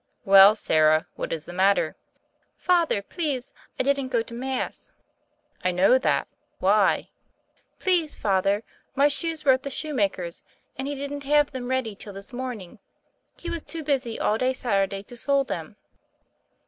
"Well, Sarah, what is the matter?" "Father, please, I didn't go to Mass." "I know that. Why?" "Please, Father, my shoes were at the shoe maker's, and he didn't have them ready till this morning. He was too busy all day Saturday to sole them."